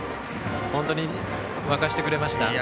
本当に沸かせてくれました。